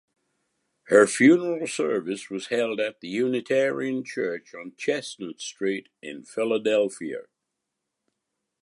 Her funeral service was held at the Unitarian Church on Chestnut Street in Philadelphia.